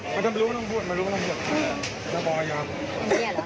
มันไม่รู้ว่าต้องพูดมันรู้ว่าต้องเก็บ